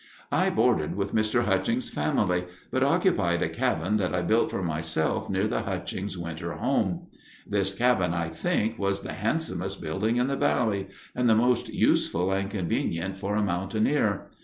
"I boarded with Mr. Hutchings' family, but occupied a cabin that I built for myself near the Hutchings' winter home. This cabin, I think, was the handsomest building in the Valley, and the most useful and convenient for a mountaineer.